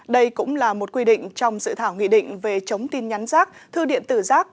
đây cũng là một quy định trong dự thảo nghị định về chống tin nhắn rác thư điện tử rác